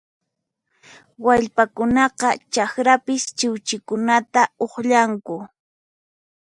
Wallpakunaqa chakrapis chiwchinkunata uqllanku